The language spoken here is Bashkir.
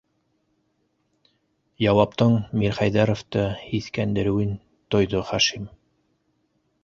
- Яуаптың Мирхәйҙәровты һиҫкәндереүен тойҙо Хашим.